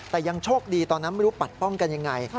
แต่ยังโชคดีตอนนั้นไม่รู้ปัดป้องกันยังไง